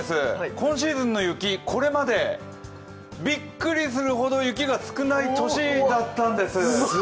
今シーズンの雪、これまでびっくりするほど雪が少ない年だったんです。